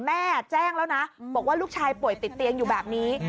แม่แจ้งแล้วนะบอกว่าลูกชายป่วยติดเตียงอยู่แบบนี้